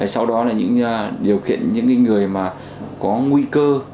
sau đó là những điều kiện những người mà có nguy cơ